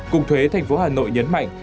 cục thuế thành phố hà nội nhấn mạnh